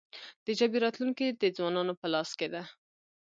د ژبې راتلونکې د ځوانانو په لاس کې ده.